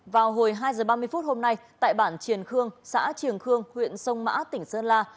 vào hồi hai h ba mươi phút hôm nay tại bản triền khương xã trường khương huyện sông mã tỉnh sơn la